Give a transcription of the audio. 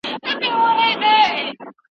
د سرطان څېړنې لپاره پانګونه لازمي ده.